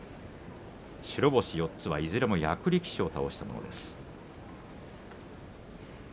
白星４つはいずれも役力士を倒したものです。